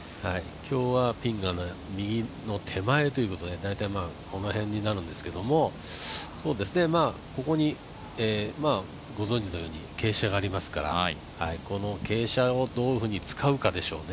今日はピンが右の手前ということでこの辺になるんですけどここに、ご存じのように傾斜がありますからこの傾斜をどういうふうに使うかでしょうね。